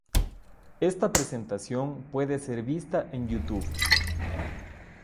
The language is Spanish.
Esta presentación puede ser vista en YouTube.